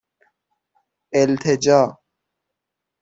اِلتِجا